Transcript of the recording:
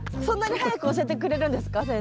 そんなに早く教えてくれるんですか？